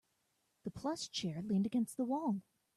The plush chair leaned against the wall.